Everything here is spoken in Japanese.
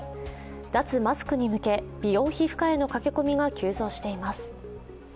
脱マスクに向け、美容皮膚科への駆け込みが急増しています。